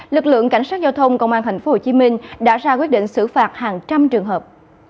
lực lượng cảnh sát giao thông công an tp hcm đã ra quyết định xử phạt hàng trăm trường hợp